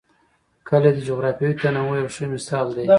کلي د جغرافیوي تنوع یو ښه مثال دی.